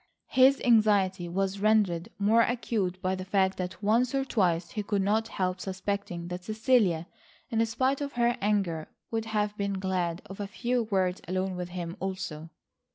His anxiety was rendered more acute by the fact that once or twice he could not help suspecting that Cecilia, in spite of her anger, would have been glad of a few words alone with him, also.